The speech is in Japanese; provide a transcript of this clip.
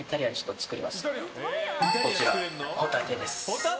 こちらホタテです。